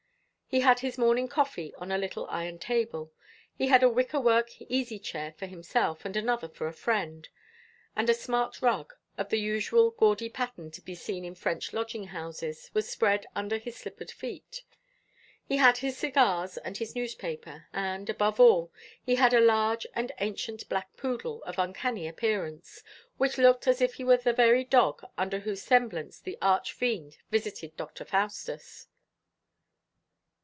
He had his morning coffee on a little iron table; he had a wicker work easy chair for himself, and another for a friend; and a smart rug, of the usual gaudy pattern to be seen in French lodging houses, was spread under his slippered feet. He had his cigars and his newspaper, and, above all, he had a large and ancient black poodle of uncanny appearance, which looked as if he were the very dog under whose semblance the arch fiend visited Dr. Faustus.